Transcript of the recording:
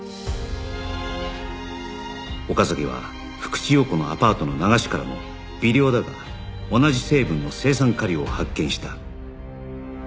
岡崎は福地陽子のアパートの流しからも微量だが同じ成分の青酸カリを発見した